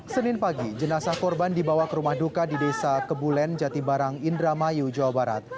senin pagi jenazah korban dibawa ke rumah duka di desa kebulen jatibarang indramayu jawa barat